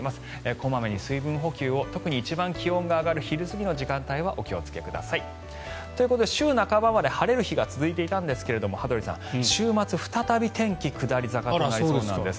小まめに水分補給を特に一番気温が上がる昼過ぎの時間帯はお気をつけください。ということで週半ばまで晴れる日が続いていたんですが羽鳥さん、週末、再び天気が下り坂となりそうなんです。